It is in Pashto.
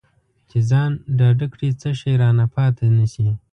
چې ځان ډاډه کړي څه شی رانه پاتې نه شي.